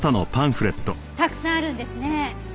たくさんあるんですね。